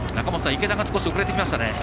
池田が少し遅れてきました。